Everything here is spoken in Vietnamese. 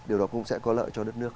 điều đó cũng sẽ có lợi cho đất nước